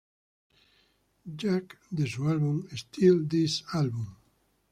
Jack", de su álbum "Steal This Album!".